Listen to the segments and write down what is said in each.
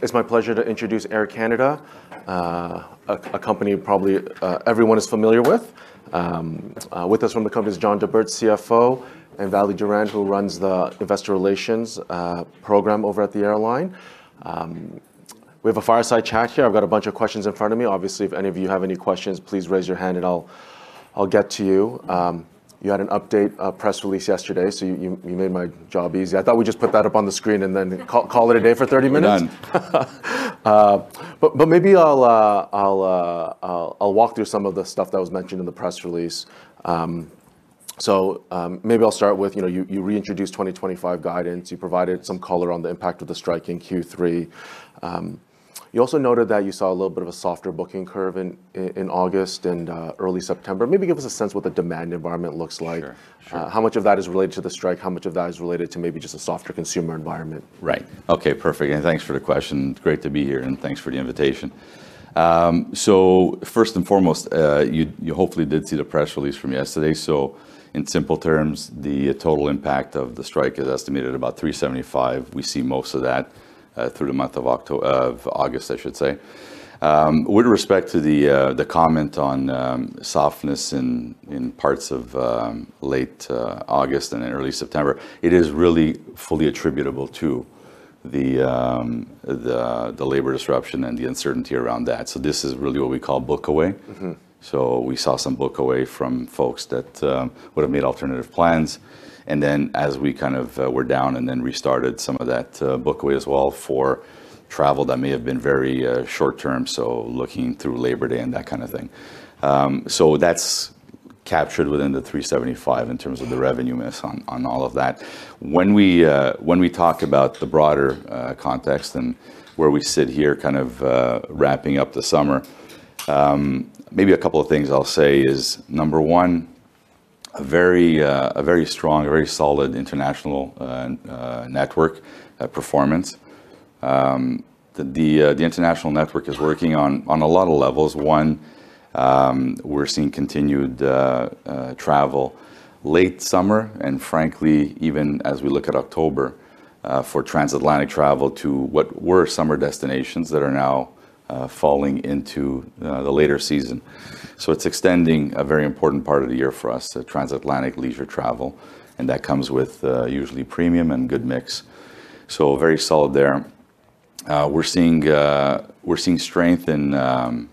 It's my pleasure to introduce Air Canada, a company probably everyone is familiar with. With us from the company is John Di Bert, CFO, and Valerie Durand, who runs the investor relations program over at the airline. We've a fireside chat here. I've got a bunch of questions in front of me. Obviously, if any of you have any questions, please raise your hand and I'll get to you. You had an update press release yesterday, so you made my job easy. I thought we'd just put that up on the screen and then call it a day for 30 minutes. Done. Maybe I'll walk through some of the stuff that was mentioned in the press release. Maybe I'll start with, you know, you reintroduced 2025 guidance. You provided some color on the impact of the strike in Q3. You also noted that you saw a little bit of a softer booking curve in August and early September. Maybe give us a sense of what the demand environment looks like. How much of that is related to the strike? How much of that is related to maybe just a softer consumer environment? Right. Okay, perfect. Thanks for the question. Great to be here and thanks for the invitation. First and foremost, you hopefully did see the press release from yesterday. In simple terms, the total impact of the strike is estimated at about $375 million. We see most of that through the month of August, I should say. With respect to the comment on softness in parts of late August and early September, it is really fully attributable to the labor disruption and the uncertainty around that. This is really what we call book away. We saw some book away from folks that would have made alternative plans. As we were down and then restarted some of that book away as well for travel, that may have been very short-term, so looking through Labor Day and that kind of thing. That's captured within the $375 million in terms of the revenue miss on all of that. When we talk about the broader context and where we sit here wrapping up the summer, maybe a couple of things I'll say is, number one, a very strong, a very solid international network performance. The international network is working on a lot of levels. One, we're seeing continued travel late summer and frankly even as we look at October for transatlantic travel, to what were summer destinations that are now falling into the later season. It's extending a very important part of the year for us to transatlantic leisure travel, and that comes with usually premium and good mix, so very solid there. We're seeing strength in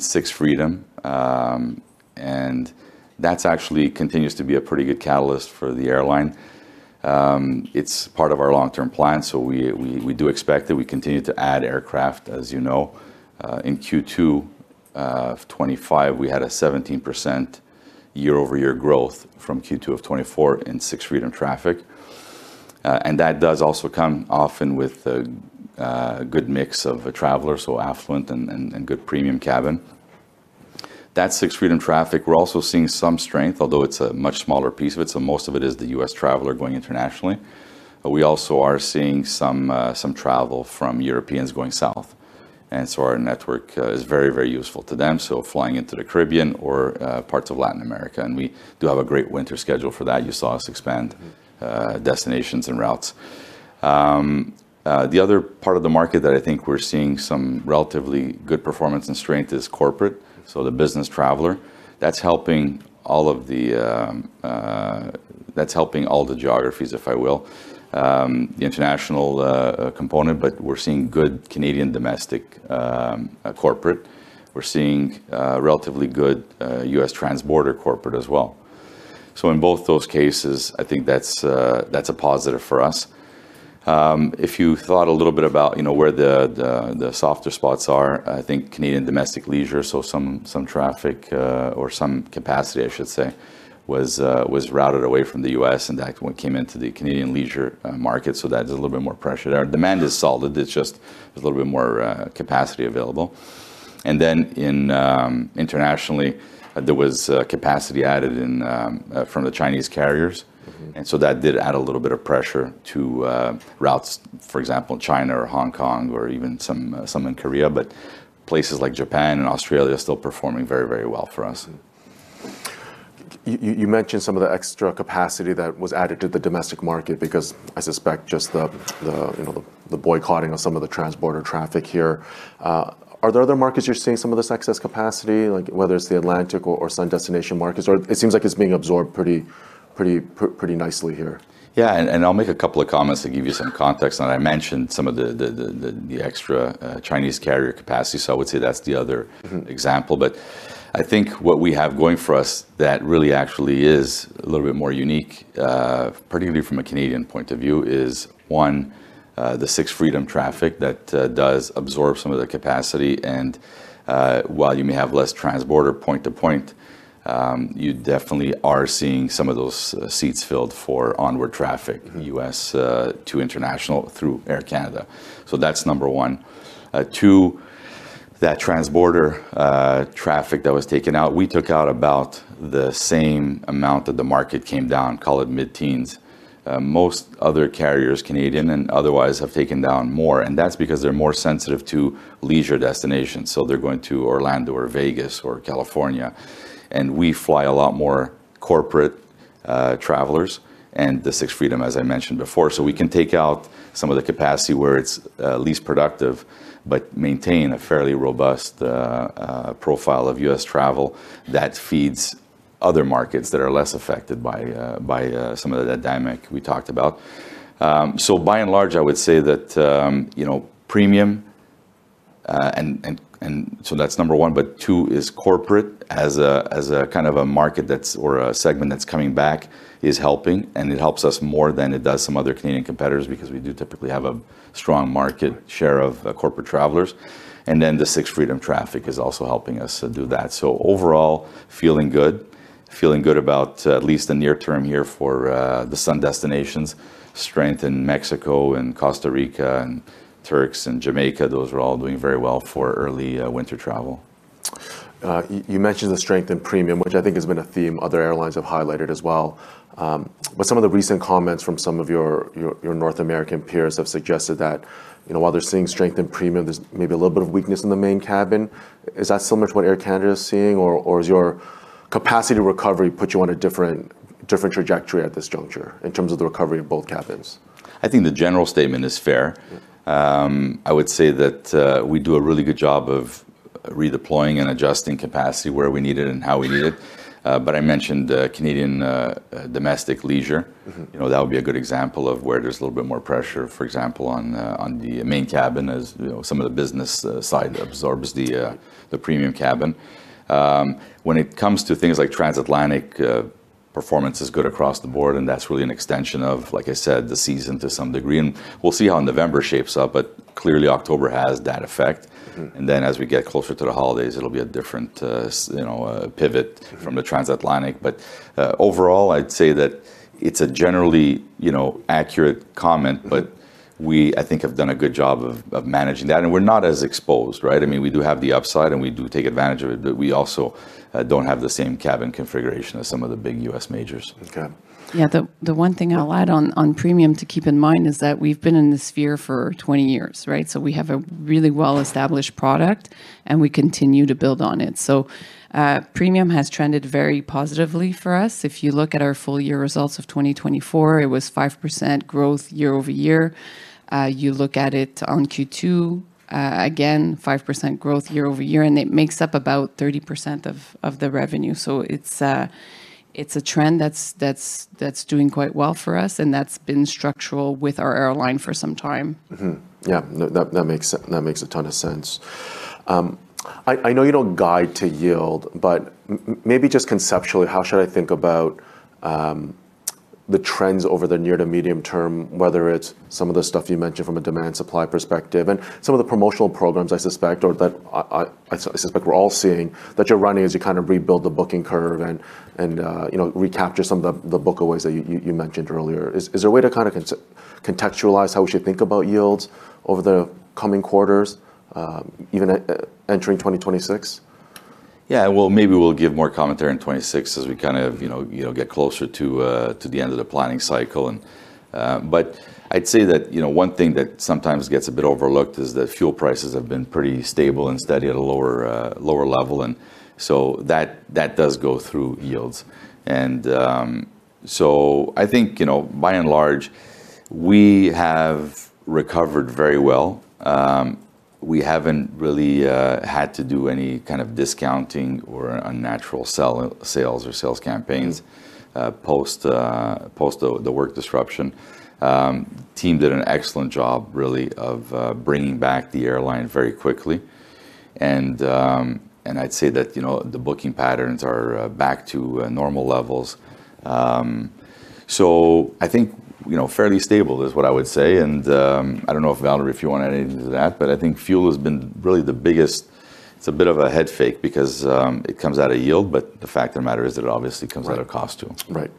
Sixth Freedom, and that actually continues to be a pretty good catalyst for the airline. It's part of our long-term plan, so we do expect that we continue to add aircraft, as you know. In Q2 of 2025, we had a 17% year-over-year growth from Q2 of 2024 in Sixth Freedom traffic. That does also come often with a good mix of travelers, so affluent and good premium cabin. That Sixth Freedom traffic, we're also seeing some strength, although it's a much smaller piece of it. Most of it is the U.S. traveler going internationally. We also are seeing some travel from Europeans going south, and so our network is very, very useful to them, so flying into the Caribbean or parts of Latin America. We do have a great winter schedule for that. You saw us expand destinations and routes. The other part of the market that I think we're seeing some relatively good performance and strength is corporate. The business traveler, that's helping all of the geographies, if I will, the international component. We're seeing good Canadian domestic corporate. We're seeing relatively good U.S. transborder corporate as well. In both those cases, I think that's a positive for us. If you thought a little bit about where the softer spots are, I think Canadian domestic leisure, so some traffic or some capacity, I should say, was routed away from the U.S. and that came into the Canadian leisure market. That's a little bit more pressure. Our demand is solid. It's just a little bit more capacity available. Internationally, there was capacity added from the Chinese carriers, and that did add a little bit of pressure to routes, for example, in China or Hong Kong or even some in Korea, but places like Japan and Australia are still performing very, very well for us. You mentioned some of the extra capacity that was added to the domestic market, because I suspect just the boycotting of some of the transborder traffic here. Are there other markets you're seeing some of this excess capacity, whether it's the Atlantic or some destination markets? It seems like it's being absorbed pretty nicely here. Yeah, I'll make a couple of comments to give you some context. I mentioned some of the extra Chinese carrier capacity. I would say that's the other example. I think what we have going for us that really actually is a little bit more unique, particularly from a Canadian point of view, is one, the Sixth Freedom traffic that does absorb some of the capacity. While you may have less transborder point-to-point, you definitely are seeing some of those seats filled for onward traffic in the U.S. to international through Air Canada. That's number one. Two, that transborder traffic that was taken out, we took out about the same amount that the market came down, call it mid-teens. Most other carriers, Canadian and otherwise, have taken down more. That's because they're more sensitive to leisure destinations. They're going to Orlando or Vegas, or California. We fly a lot more corporate travelers and the Sixth Freedom, as I mentioned before. We can take out some of the capacity where it's least productive, but maintain a fairly robust profile of U.S. travel that feeds other markets that are less affected by some of the dynamic we talked about. By and large, I would say that premium, and so that's number one. Two is corporate as a kind of a market or a segment that's coming back is helping. It helps us more than it does some other Canadian competitors, because we do typically have a strong market share of corporate travelers. The Sixth Freedom traffic is also helping us do that. Overall, feeling good. Feeling good about at least the near term here for the sun destinations. Strength in Mexico and Costa Rica, and Turks and Jamaica, those are all doing very well for early winter travel. You mentioned the strength in premium, which I think has been a theme other airlines have highlighted as well. Some of the recent comments from some of your North American peers have suggested that, you know, while they're seeing strength in premium, there's maybe a little bit of weakness in the main cabin. Is that similar to what Air Canada is seeing, or does your capacity recovery put you on a different trajectory at this juncture in terms of the recovery of both cabins? I think the general statement is fair. I would say that we do a really good job of redeploying and adjusting capacity where we need it and how we need it. I mentioned the Canadian domestic leisure. That would be a good example of where there's a little bit more pressure, for example, on the main cabin, as some of the business side absorbs the premium cabin. When it comes to things like transatlantic, performance is good across the board. That's really an extension of, like I said, the season to some degree. We'll see how November shapes up, but clearly, October has that effect. As we get closer to the holidays, it'll be a different, you know, pivot from the transatlantic. Overall, I'd say that it's a generally, you know, accurate comment. We, I think, have done a good job of managing that. We're not as exposed, right? I mean, we do have the upside and we do take advantage of it. We also don't have the same cabin configuration as some of the big U.S. majors. Okay. Yeah, the one thing I'll add on premium to keep in mind is that we've been in this sphere for 20 years, right? We have a really well-established product, and we continue to build on it. Premium has trended very positively for us. If you look at our full-year results of 2024, it was 5% growth year-over-year. You look at it on Q2, again, 5% growth year-over-year and it makes up about 30% of the revenue. It's a trend that's doing quite well for us, but that's been structural with our airline for some time. Yeah, that makes a ton of sense. I know you don't guide to yield, but maybe just conceptually, how should I think about the trends over the near to medium term, whether it's some of the stuff you mentioned from a demand, supply perspective and some of the promotional programs I suspect that we're all seeing, that you're running as you kind of rebuild the booking curve and recapture some of the book aways that you mentioned earlier? Is there a way to kind of contextualize how we should think about yields over the coming quarters, even entering 2026? Yeah. Maybe we'll give more commentary in 2026 as we kind of get closer to the end of the planning cycle. I'd say that one thing that sometimes gets a bit overlooked is that, fuel prices have been pretty stable and steady at a lower level. That does go through yields. I think by and large, we have recovered very well. We haven't really had to do any kind of discounting or unnatural sales, or sales campaigns post the work disruption. The team did an excellent job really of bringing back the airline very quickly. I'd say that the booking patterns are back to normal levels. I think fairly stable is what I would say. I don't know Valerie, if you want to add anything to that, but I think fuel has been really the biggest. It's a bit of a head fake because it comes out of yield, but the fact of the matter is that it obviously comes out of cost too. Right.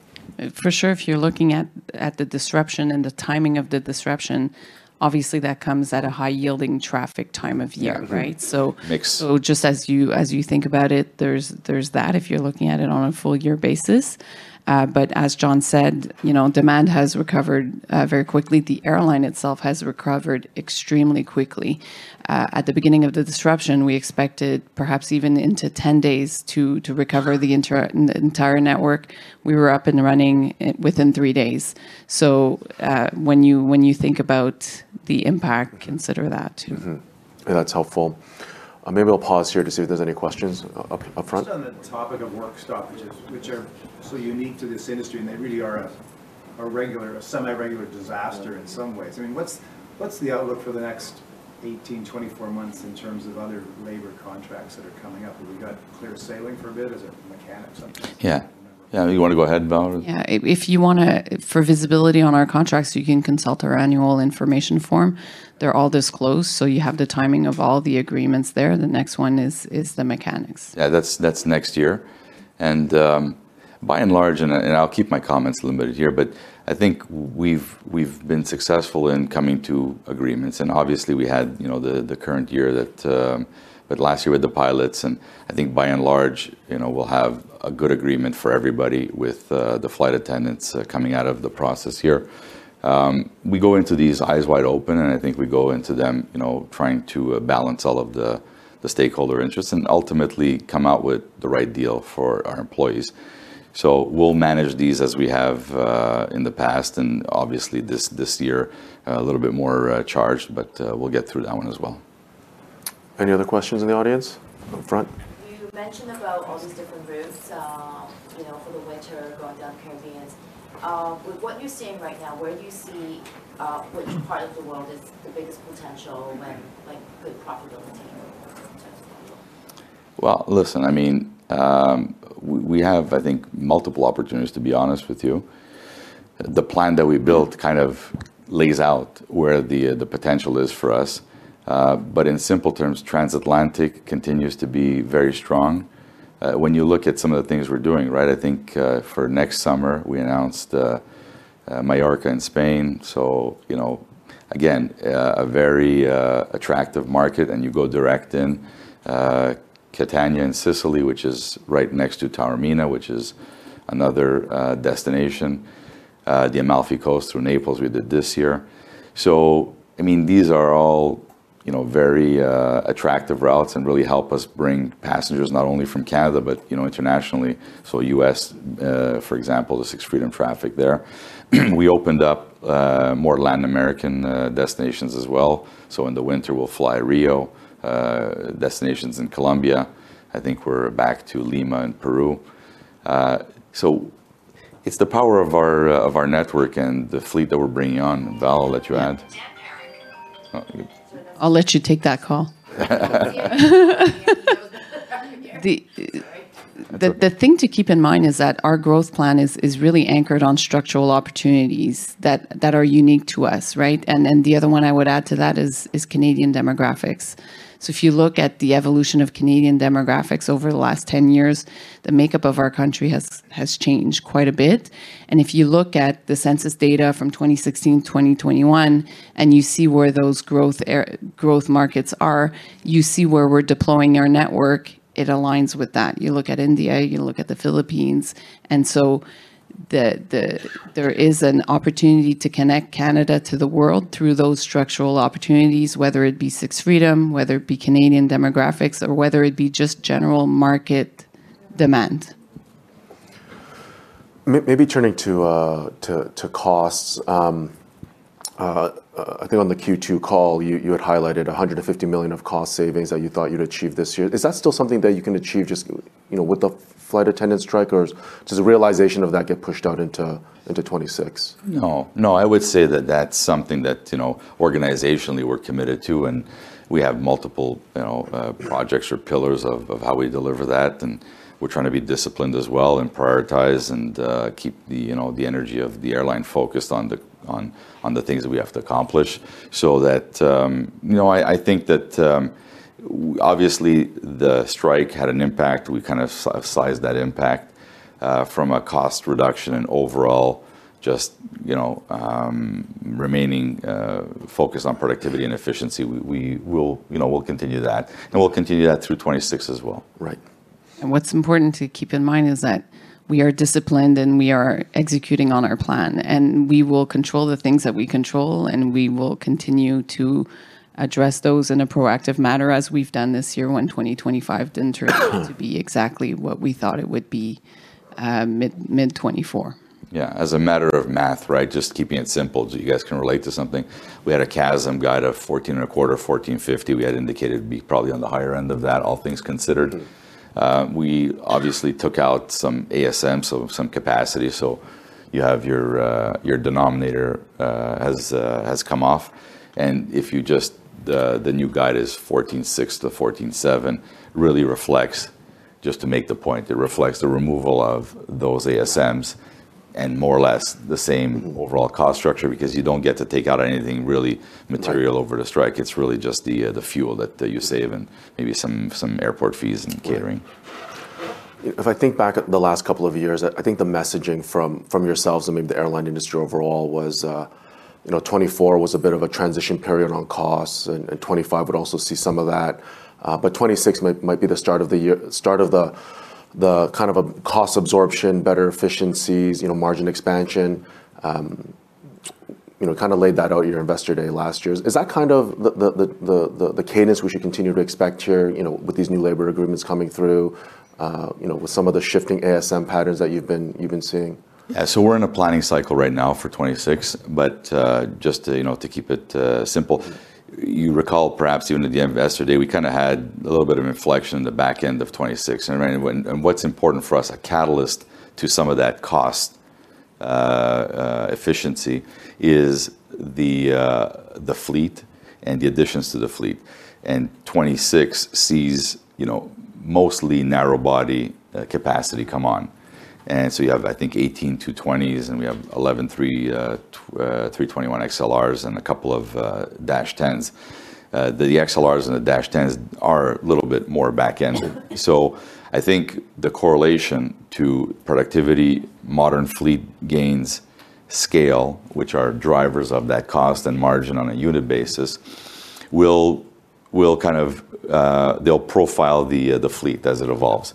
For sure. If you're looking at the disruption and the timing of the disruption, obviously that comes at a high-yielding traffic time of year, right? Just as you think about it, there's that if you're looking at it on a full-year basis. As John said, demand has recovered very quickly. The airline itself has recovered extremely quickly. At the beginning of the disruption, we expected perhaps even into 10 days to recover the entire network. We were up and running within three days. When you think about the impact, consider that too. That's helpful. Maybe I'll pause here to see if there's any questions. Up front. Just on the topic of work stoppages, which are so unique to this industry. They really are a regular or a semi-regular disaster in some ways. I mean, what's the outlook for the next 18 months, 24 months in terms of other labor contracts that are coming up? Have you got clear sailing for a bit? Is there a? Yeah, you want to go ahead, Valerie? Yeah, for visibility on our contracts, you can consult our annual information form. They're all disclosed, so you have the timing of all the agreements there. The next one is the mechanics. Yeah, that's next year. By and large, and I'll keep my comments limited here, but I think we've been successful in coming to agreements. Obviously, last year with the pilots, by and large, we'll have a good agreement for everybody, with the flight attendants coming out of the process here. We go into these eyes wide open, and I think we go into them trying to balance all of the stakeholder interests and ultimately come out with the right deal for our employees. We'll manage these as we have in the past. Obviously, this year is a little bit more charged, but we'll get through that one as well. Any other questions in the audience? Up front. You mentioned about all these different routes, you know, for the winter going down the Caribbeans. With what you're seeing right now, which part of the world is the biggest potential with profitability [in terms of the fuel]? Listen, I mean, we have I think multiple opportunities, to be honest with you. The plan that we built kind of lays out where the potential is for us. In simple terms, transatlantic continues to be very strong. When you look at some of the things we're doing, I think for next summer, we announced Mallorca in Spain, so again a very attractive market. You go direct in Catania in Sicily, which is right next to Taormina which is another destination. The Amalfi Coast through Naples, we did this year. These are all very attractive routes and really help us bring passengers not only from Canada, but internationally. U.S., for example, the Sixth Freedom traffic there. We opened up more Latin American destinations as well. In the winter, we'll fly Rio, destinations in Colombia. I think we're back to Lima in Peru. It's the power of our network and the fleet that we're bringing on. Valerie, I'll let you add. I'll let you take that call. The thing to keep in mind is that our growth plan is really anchored on structural opportunities that are unique to us, right? The other one I would add to that is Canadian demographics. If you look at the evolution of Canadian demographics over the last 10 years, the makeup of our country has changed quite a bit. If you look at the census data from 2016-2021, and you see where those growth markets are, you see where we're deploying our network, it aligns with that. You look at India, you look at the Philippines. There is an opportunity to connect Canada to the world through those structural opportunities, whether it be Sixth Freedom traffic, whether it be Canadian demographics or whether it be just general market demand. Maybe turning to costs, I think on the Q2 call, you had highlighted $150 million of cost savings that you thought you'd achieve this year. Is that still something that you can achieve just with the flight attendant strike, or does the realization of that get pushed out into 2026? I would say that that's something that organizationally we're committed to, and we have multiple projects or pillars of how we deliver that. We're trying to be disciplined as well and prioritize, and keep the energy of the airline focused on the things that we have to accomplish. I think that obviously the strike had an impact. We kind of sized that impact from a cost reduction, and overall just remaining focused on productivity and efficiency. We'll continue that, and we'll continue that through 2026 as well. Right. What's important to keep in mind is that we are disciplined and we are executing on our plan. We will control the things that we control, and we will continue to address those in a proactive manner as we've done this year when 2025 didn't turn out to be exactly what we thought it would be mid 2024. Yeah, as a matter of math, just keeping it simple, you guys can relate to something. We had a CASM guide of $0.1425, $0.1450. We had indicated to be probably on the higher end of that, all things considered. We obviously took out some ASMs, so some capacity, so your denominator has come off. The new guide is $0.1406-$0.1407 really reflects, just to make the point, it reflects the removal of those ASMs and more or less the same overall cost structure because you don't get to take out anything really material over the strike. It's really just the fuel that you save, and maybe some airport fees and catering. If I think back at the last couple of years, I think the messaging from yourselves and maybe the airline industry overall was, you know, 2024 was a bit of a transition period on costs and 2025 would also see some of that. 2026 might be the start of the kind of a cost absorption, better efficiencies, you know, margin expansion. You kind of laid that out at your Investor Day last year. Is that kind of the cadence we should continue to expect here, you know, with these new labor agreements coming through, with some of the shifting ASM patterns that you've been seeing? Yeah, so we're in a planning cycle right now for 2026, but just to keep it simple, you recall perhaps even at the Investor Day, we kind of had a little bit of inflection in the back end of 2026. What's important for us, a catalyst to some of that cost efficiency is the fleet and the additions to the fleet. 2026 sees mostly narrow-body capacity come on. You have I think eighteen 220s and we have eleven 321 XLRs and a couple of Dash 10s. The XLRs and the Dash 10s are a little bit more back end. I think the correlation to productivity, modern fleet gains, scale, which are drivers of that cost and margin on a unit basis, they'll profile the fleet as it evolves.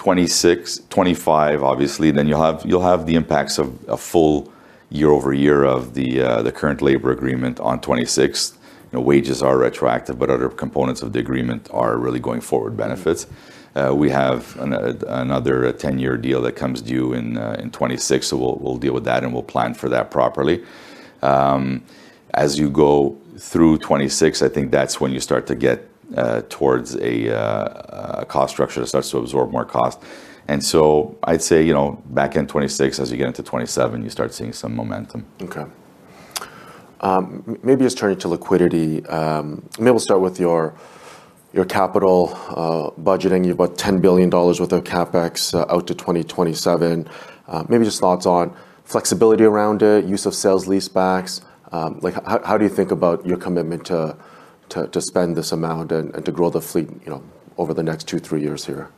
2026, 2025 obviously, then you'll have the impacts of a full year-over-year of the current labor agreement on 2026. Wages are retroactive, but other components of the agreement are really going-forward benefits. We have another 10-year deal that comes due in 2026. We'll deal with that and we'll plan for that properly. As you go through 2026, I think that's when you start to get towards a cost structure that starts to absorb more cost. I'd say back in 2026, as you get into 2027, you start seeing some momentum. Okay. Maybe just turning to liquidity, maybe we'll start with your capital budgeting. You've got $10 billion worth of CapEx out to 2027. Maybe just thoughts on flexibility around it, use of sale-leasebacks. Like, how do you think about your commitment to spend this amount and to grow the fleet over the next two, three years here?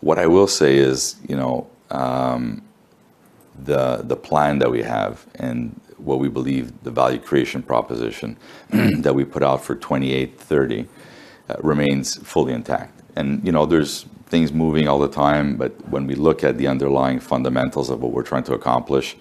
What I will say is, you know, the plan that we have and what we believe the value creation proposition that we put out for 2028-2030 remains fully intact. There's things moving all the time, but when we look at the underlying fundamentals of what we're trying to accomplish,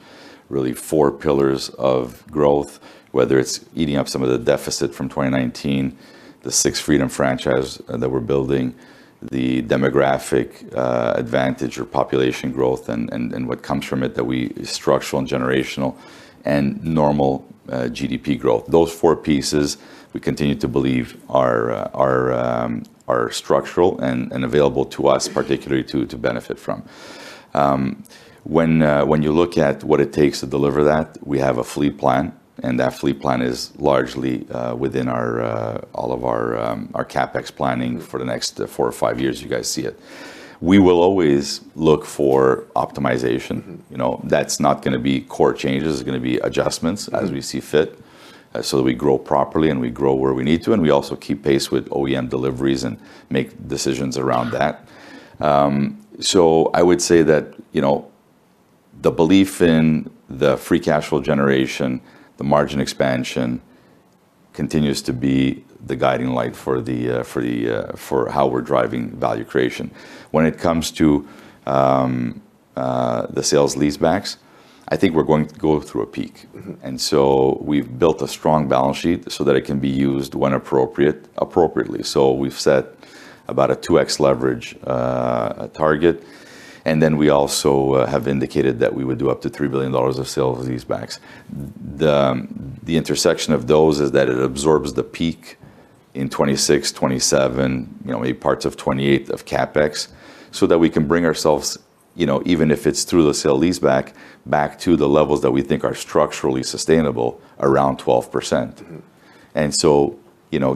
really four pillars of growth, whether it's eating up some of the deficit from 2019, the Sixth Freedom traffic franchise that we're building, the demographic advantage or population growth and what comes from it that is structural and generational, and normal GDP growth. Those four pieces, we continue to believe are structural and available to us particularly to benefit from. When you look at what it takes to deliver that, we have a fleet plan and that fleet plan is largely within all of our CapEx planning for the next four or five years, you guys see it. We will always look for optimization. That's not going to be core changes. It's going to be adjustments as we see fit, so that we grow properly and we grow where we need to. We also keep pace with OEM deliveries and make decisions around that. I would say that the belief in the free cash flow generation, the margin expansion continues to be the guiding light for how we're driving value creation. When it comes to the sale-leasebacks, I think we're going to go through a peak. We've built a strong balance sheet, so that it can be used when appropriately. We've set about a 2x leverage target. We also have indicated that we would do up to $3 billion of sale-leasebacks. The intersection of those is that it absorbs the peak in 2026, 2027, maybe parts of 2028 of CapEx so that we can bring ourselves, even if it's through the sale-leaseback, back to the levels that we think are structurally sustainable around 12%.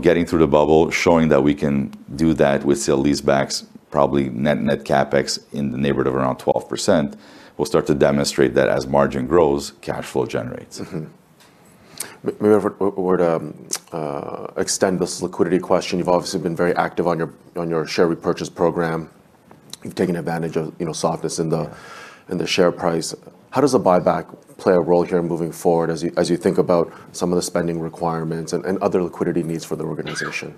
Getting through the bubble, showing that we can do that with sale-leasebacks, probably net net CapEx in the neighborhood of around 12%, we'll start to demonstrate that as margin grows, cash flow generates. Maybe if we were to extend this liquidity question, you've obviously been very active on your share re-purchase program. You've taken advantage of, you know, softness in the share price. How does a buyback play a role here moving forward as you think about some of the spending requirements, and other liquidity needs for the organization?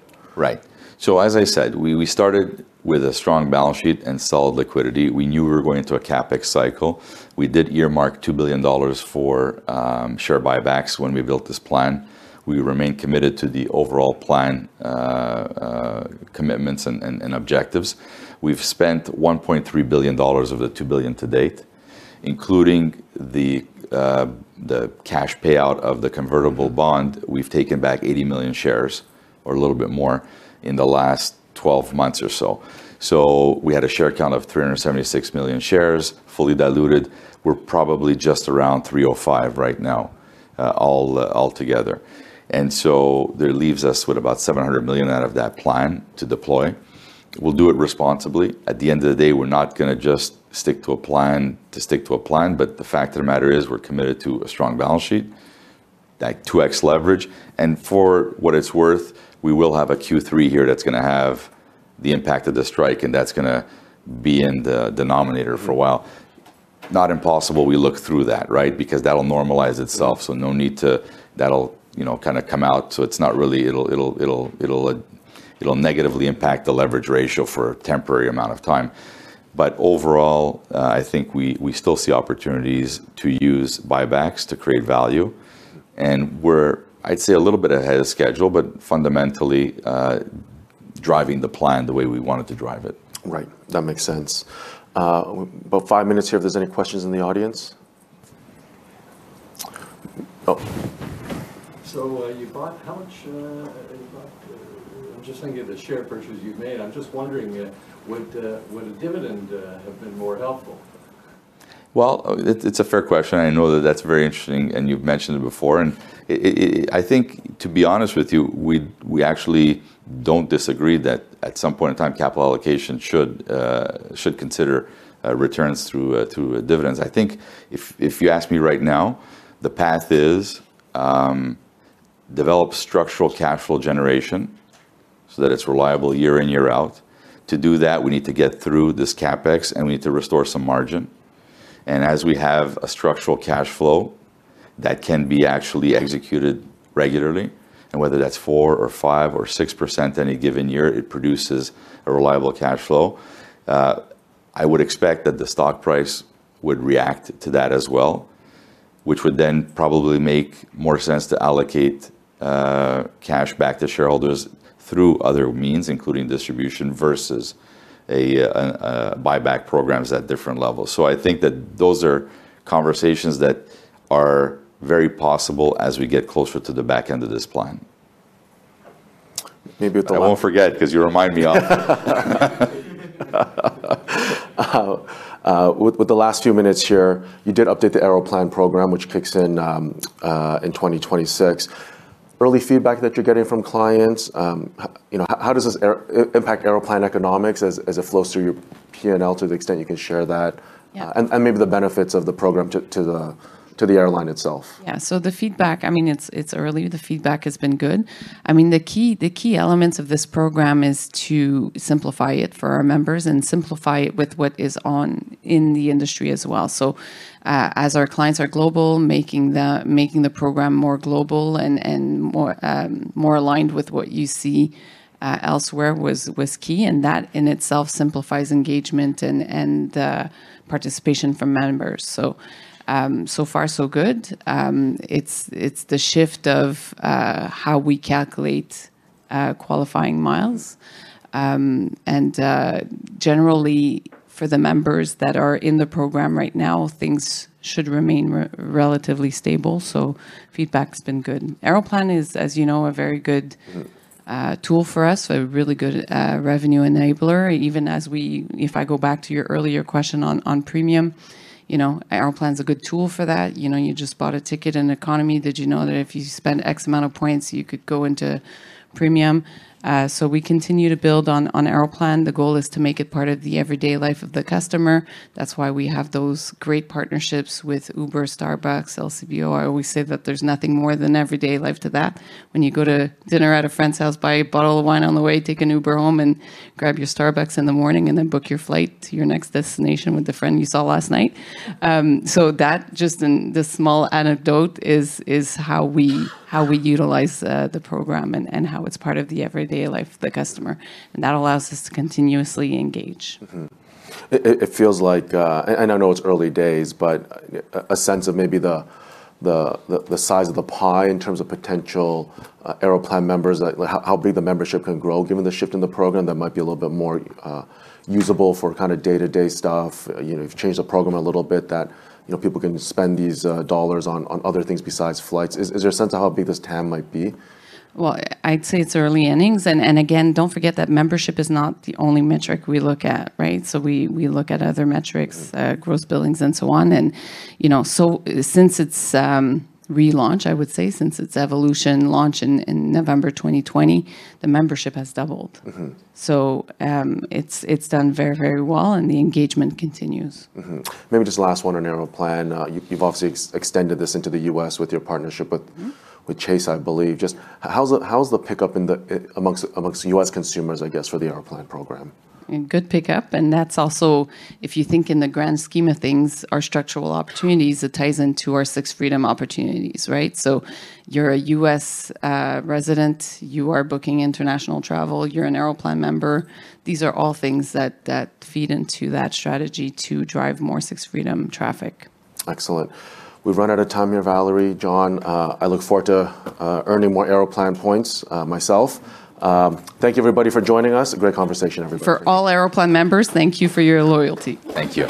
Right. As I said, we started with a strong balance sheet and solid liquidity. We knew we were going into a CapEx cycle. We did earmark $2 billion for share buybacks when we built this plan. We remain committed to the overall plan commitments and objectives. We've spent $1.3 billion of the $2 billion to date, including the cash payout of the convertible bond. We've taken back 80 million shares or a little bit more in the last 12 months or so. We had a share count of 376 million shares, fully diluted. We're probably just around 305 million right now altogether. That leaves us with about $700 million out of that plan to deploy. We'll do it responsibly. At the end of the day, we're not going to just stick to a plan to stick to a plan, but the fact of the matter is we're committed to a strong balance sheet, that 2x leverage. For what it's worth, we will have a Q3 here that's going to have the impact of the strike, and that's going to be in the denominator for a while. Not impossible, we look through that, right? That'll normalize itself. That'll kind of come out. It'll negatively impact the leverage ratio for a temporary amount of time. Overall, I think we still see opportunities to use buybacks to create value. We're, I'd say a little bit ahead of schedule, but fundamentally driving the plan the way we wanted to drive it. Right, that makes sense. About five minutes here, if there's any questions in the audience. You bought how much? I'm just thinking of the share purchases you've made. I'm just wondering, would a dividend have been more helpful? It's a fair question. I know that that's very interesting, and you've mentioned it before. I think to be honest with you, we actually don't disagree that at some point in time, capital allocation should consider returns through dividends. I think if you ask me right now, the path is to develop structural cash flow generation so that it's reliable year in, year out. To do that, we need to get through this CapEx and we need to restore some margin. As we have a structural cash flow that can be actually executed regularly, and whether that's 4% or 5% or 6% any given year, it produces a reliable cash flow. I would expect that the stock price would react to that as well, which would then probably make more sense to allocate cash back to shareholders through other means, including distribution versus a buyback program at different levels. I think that those are conversations that are very possible as we get closer to the back end of this plan. I won't forget because you remind me of it. With the last few minutes here, you did update the Aeroplan program, which kicks in in 2026. Early feedback that you're getting from clients, how does this impact Aeroplan economics as it flows through your P&L to the extent you can share that? Maybe the benefits of the program to the airline itself. Yeah, so the feedback, I mean, it's early. The feedback has been good. The key elements of this program are to simplify it for our members, and simplify it with what is in the industry as well. As our clients are global, making the program more global and more aligned with what you see elsewhere was key. That in itself simplifies engagement and participation from members. So far, so good. It's the shift of how we calculate qualifying miles. Generally, for the members that are in the program right now, things should remain relatively stable. Feedback's been good. Aeroplan is, as you know, a very good tool for us, a really good revenue enabler. Even if I go back to your earlier question on premium, you know, Aeroplan is a good tool for that. You just bought a ticket in economy. Did you know that if you spend X amount of points, you could go into premium? We continue to build on Aeroplan. The goal is to make it part of the everyday life of the customer. That's why we have those great partnerships with Uber, Starbucks, LCBO. I always say that there's nothing more than everyday life to that, when you go to dinner at a friend's house, buy a bottle of wine on the way, take an Uber home, and grab your Starbucks in the morning, and then book your flight to your next destination with the friend you saw last night. That just in the small anecdote is how we utilize the program, and how it's part of the everyday life of the customer. That allows us to continuously engage. It feels like, and I know it's early days, but a sense of maybe the size of the pie in terms of potential Aeroplan members, how big the membership can grow, given the shift in the program, that might be a little bit more usable for kind of day-to-day stuff. You've changed the program a little bit, that people can spend these dollars on other things besides flights. Is there a sense of how big this TAM might be? I'd say it's early innings. Don't forget that membership is not the only metric we look at, right? We look at other metrics, gross billings, and so on. You know, since its relaunch, I would say since its evolution launch in November 2020, the membership has doubled. It's done very, very well, and the engagement continues. Maybe just last one on Aeroplan. You've obviously extended this into the U.S. with your partnership with Chase, I believe. Just how's the pickup amongst U.S. consumers, I guess, for the Aeroplan program? A good pickup. If you think in the grand scheme of things, our structural opportunities tie into our Sixth Freedom opportunities, right? You're a U.S. resident, you are booking international travel, you're an Aeroplan member. These are all things that feed into that strategy to drive more Sixth Freedom traffic. Excellent. We've run out of time here, Valerie, John. I look forward to earning more Aeroplan points myself. Thank you, everybody, for joining us. Great conversation, everybody. For all Aeroplan members, thank you for your loyalty. Thank you.